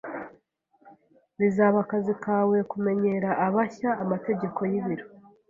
Bizaba akazi kawe kumenyera abashya amategeko y'ibiro.